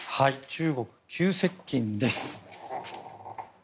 中国、急接近です。